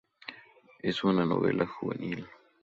Es una novela juvenil.